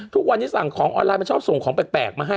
ทุกวันนี้สั่งของออนไลน์มันชอบส่งของแปลกมาให้